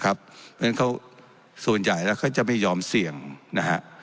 เพราะฉะนั้นเขาส่วนใหญ่แล้วเขาจะไม่ยอมเสี่ยงนะฮะ